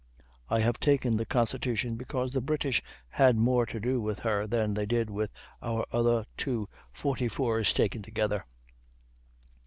I have taken the Constitution, because the British had more to do with her than they did with our other two 44's taken together.